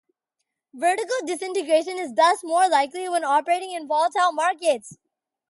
Vertical disintegration is thus more likely when operating in volatile markets.